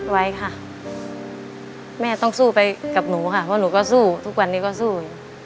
ไว้ค่ะแม่ต้องสู้ไปกับหนูค่ะเพราะหนูก็สู้ทุกวันนี้ก็สู้อยู่